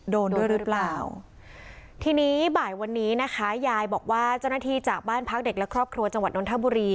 โดนด้วยหรือเปล่าทีนี้บ่ายวันนี้นะคะยายบอกว่าเจ้าหน้าที่จากบ้านพักเด็กและครอบครัวจังหวัดนทบุรี